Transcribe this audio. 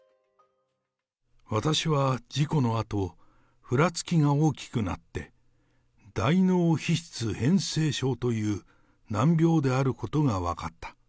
私は事故のあと、ふらつきが大きくなって、大脳皮質変性症という難病であることが分かった。